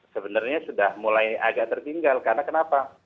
sebenarnya sudah mulai agak tertinggal karena kenapa